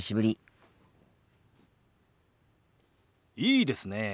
いいですねえ。